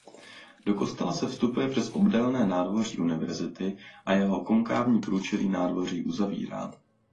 Do kostela se vstupuje přes obdélné nádvoří univerzity a jeho konkávní průčelí nádvoří uzavírá.